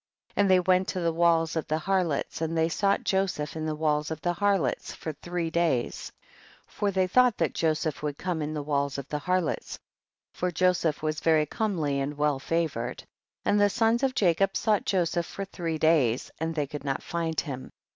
And they went to the walls of the harlots, and they sought Joseph in the walls of the harlots for three days, for they thought that Joseph would come in the walls of the har lots, for Joseph was very comely and well favored, and the sons of Jacob sought Joseph for three days, and they could not find him.